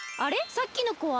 さっきのこは？